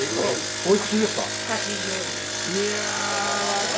おいくつですか？